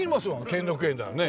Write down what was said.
兼六園ではね。